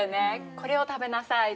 これを食べなさいとか。